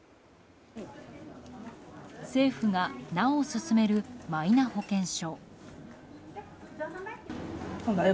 政府がなお進めるマイナ保険証。